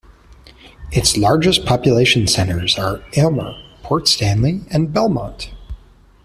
Its largest population centres are Aylmer, Port Stanley and Belmont.